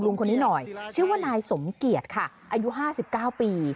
ลุงคนนี้หน่อยชื่อว่านายสมเกียรติค่ะอายุห้าสิบเก้าปี